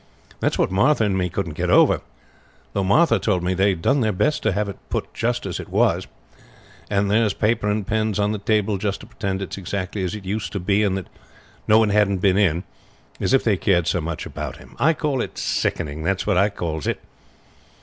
"That's what Martha and me couldn't get over, though Martha told me they done their best to have it put just as it was; and there's paper and pens on the table, just to pretend it is exactly as it used to be and that no one hadn't been in. As if they cared so much about him. I call it sickening, that's what I calls it.